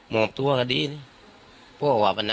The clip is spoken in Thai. มอบตัวก็ดีนะพอว่าเพนินนะ